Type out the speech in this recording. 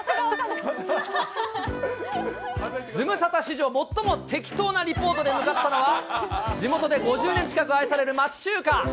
ズムサタ史上最も適当なリポートで向かったのは、地元で５０年近く愛される町中華。